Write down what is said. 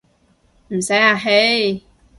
唔使客氣